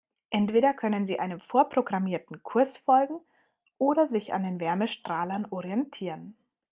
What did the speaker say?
Entweder können sie einem vorprogrammierten Kurs folgen oder sich an Wärmestrahlern orientieren.